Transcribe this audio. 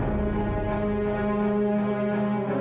selamat pagi mila